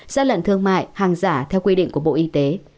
gian lận thương mại hàng giả theo quy định của bộ y tế